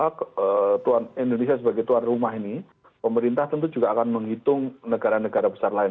yang harus dihitung tentu sekarang saya meyakini indonesia sebagai tuan rumah ini pemerintah tentu juga akan menghitung negara negara besar lain